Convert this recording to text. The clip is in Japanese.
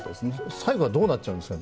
最後はどうなっちゃうんですかね？